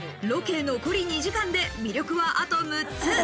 ロケ残り２時間で魅力はあと６つ。